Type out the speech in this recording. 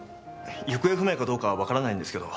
行方不明かどうかはわからないんですけど。